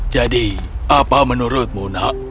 jadi apa menurutmu nak